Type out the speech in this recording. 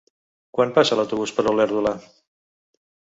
Quan passa l'autobús per Olèrdola?